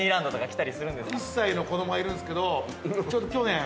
１歳の子供がいるんすけど。